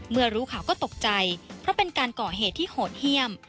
เมื่อรู้ข่าวก็ตกใจเพราะเป็นการเกาะเหตุที่โหดเฮียม